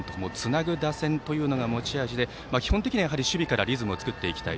つなぐ打線というのが持ち味で基本的には守備からリズムを作っていきたい。